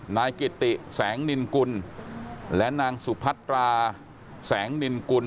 นายกิติแสงนินกุลและนางสุพัตราแสงนินกุล